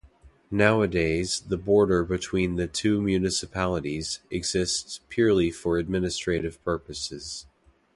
Nowadays, the border between the two municipalities exists purely for administrative purposes.